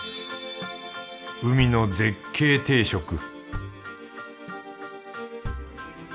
海の絶景定食！